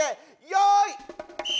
よい！